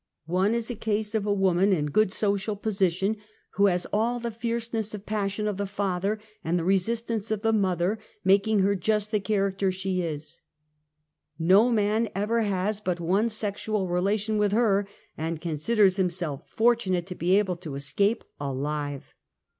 One is a case of a woman in good social position, who /has all the fierceness of passion of the father and the [resistance of the mother, n^iaking her just the char \acter she is. 'No man ever has but one sexual relation with her and considers himself fortunate to be able to escape alive.